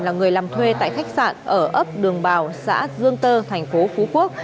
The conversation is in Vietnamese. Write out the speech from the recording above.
là người làm thuê tại khách sạn ở ấp đường bào xã dương tơ thành phố phú quốc